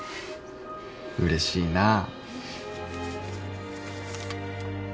うれしいなぁ。